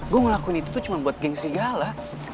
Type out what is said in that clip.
gue ngelakuin itu cuma buat geng serigala